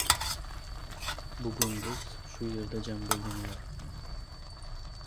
Bugun biz – shu yerda jam bo‘lganlar